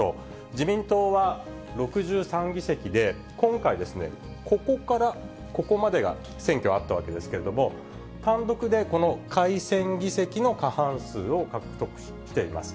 自民党は６３議席で、今回、ここからここまでが選挙あったわけですけれども、単独でこの改選議席の過半数を獲得しています。